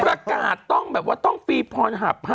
ประกาศต้องแบบว่าต้องฟรีพรหับ๕